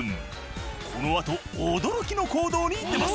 このあと驚きの行動に出ます。